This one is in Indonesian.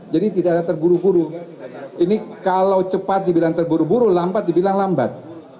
jadi tidak ada terburu buru ini kalau cepat dibilang terburu buru lambat dibilang lambat